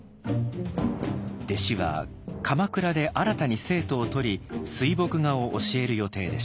弟子は鎌倉で新たに生徒をとり水墨画を教える予定でした。